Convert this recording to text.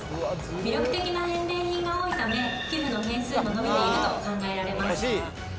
魅力的な返礼品が多いため寄付の件数も伸びていると考えられます。